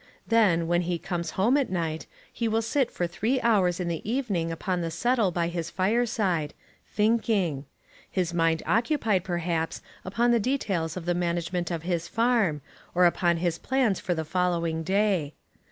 Then, when he comes home at night, he will sit for three hours in the evening upon the settle by his fireside, thinking his mind occupied, perhaps, upon the details of the management of his farm, or upon his plans for the following day.